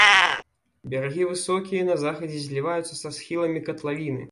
Берагі высокія, на захадзе зліваюцца са схіламі катлавіны.